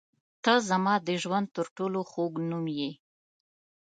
• ته زما د ژوند تر ټولو خوږ نوم یې.